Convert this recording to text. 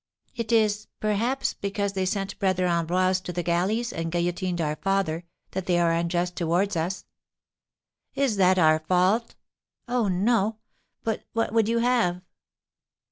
"It is, perhaps, because they sent Brother Ambroise to the galleys, and guillotined our father, that they are unjust towards us." "Is that our fault?" "Oh, no! But what would you have?"